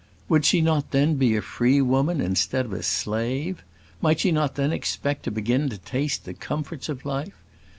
Would she not then be a free woman instead of a slave? Might she not then expect to begin to taste the comforts of life?